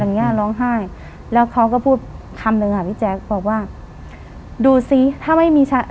อย่างเงี้ยร้องไห้แล้วเขาก็พูดคำหนึ่งอ่ะพี่แจ๊คบอกว่าดูซิถ้าไม่มีชะ